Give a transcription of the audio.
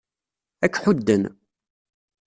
Ad k-ḥudden.